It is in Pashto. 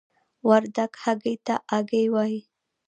وردګ هګۍ ته آګۍ وايي.